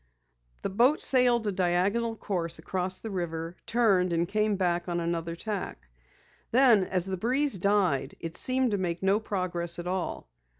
The boat sailed a diagonal course across the river, turned, and came back on another tack. Then as the breeze died, it seemed to make no progress at all.